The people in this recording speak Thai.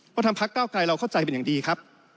เพราะทางพักเก้าไกรเราเข้าใจเป็นอย่างดีครับ